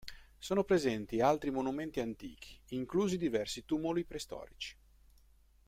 Sono presenti altri monumenti antichi, inclusi diversi tumuli preistorici.